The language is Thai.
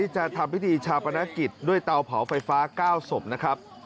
จะทำพิธีชาปนกิจด้วยเตาเผาไฟฟ้า๙ศพนะครับ